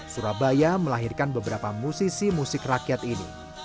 surabaya melahirkan beberapa musisi musik rakyat ini